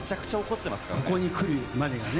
ここに来るまでにね。